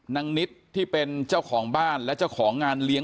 นิดที่เป็นเจ้าของบ้านและเจ้าของงานเลี้ยง